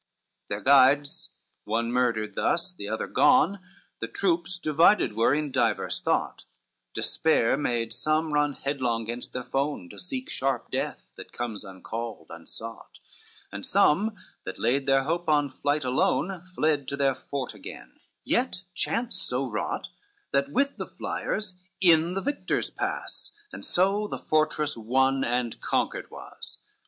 XC Their guides, one murdered thus, the other gone, The troops divided were, in diverse thought, Despair made some run headlong gainst their fone, To seek sharp death that comes uncalled, unsought; And some, that laid their hope on flight alone, Fled to their fort again; yet chance so wrought, That with the flyers in the victors pass, And so the fortress won and conquered was.